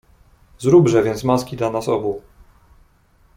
"Zróbże więc maski dla nas obu."